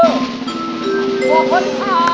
ครัวข้นคอน